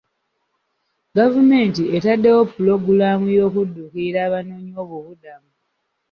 Gavumenti etaddewo pulogulaamu y'okudduukirira abanoonyi b'obubudamu.